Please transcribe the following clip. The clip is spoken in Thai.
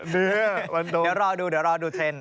เนื้อฟันทงเดี๋ยวรอดูเดี๋ยวรอดูเทรนด์